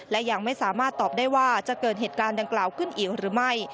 และยังไม่สามารถตอบได้ว่าจะเกิดเหตุการณ์ดังกล่าวขึ้นอีกหรือไม่